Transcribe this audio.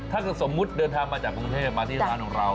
ถ้าสมมุติเดินทางมาจากกรุงเทพมาที่ร้านของเรา